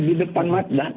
di depan mata